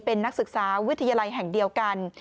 เป็นนักศึกษาวิทยาลัยแห่งเดียวกัน